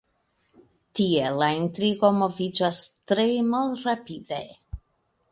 Tiel la intrigo moviĝas tre malrapide.